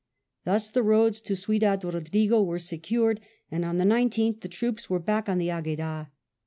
Thus the roads to Ciudad Rodrigo were secured, and on the 19th the troops were back on the Agueda.